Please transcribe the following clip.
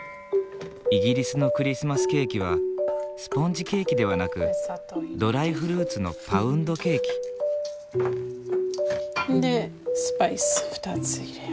イギリスのクリスマスケーキはスポンジケーキではなくドライフルーツのパウンドケーキ。でスパイス２つ入れる。